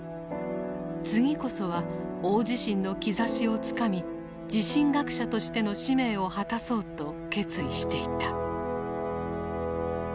次こそは大地震の兆しをつかみ地震学者としての使命を果たそうと決意していた。